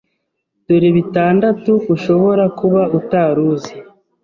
Dore bitandatu ushobora kuba utari uzi